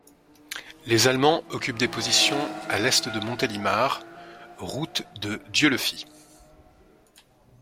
Les Allemands occupent des positions à l'est de Montélimar, route de Dieulefit.